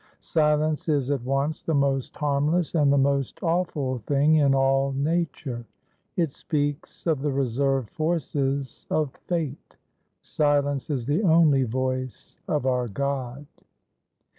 Silence is at once the most harmless and the most awful thing in all nature. It speaks of the Reserved Forces of Fate. Silence is the only Voice of our God.